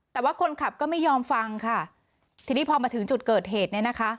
แต่ว่าคนขับก็ไม่ยอมฟังค่ะทีนี้พอมาถึงจุดเกิดเหตุเนี่ยนะคะ